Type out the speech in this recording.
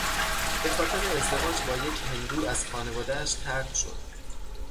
به خاطر ازدواج با یک هندو از خانوداهاش طرد شد.